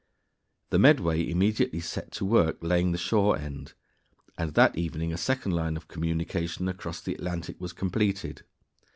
The Medway immediately set to work laying the shore end, and that evening a second line of communication across the Atlantic was completed.